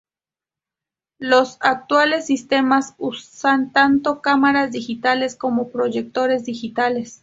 Los actuales sistemas usan tanto cámaras digitales como proyectores digitales.